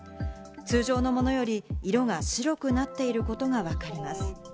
通常のものより色が白くなっていることがわかります。